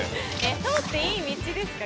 通っていい道ですか？